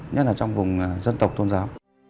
nhất là trong vùng dân tộc thôn giáo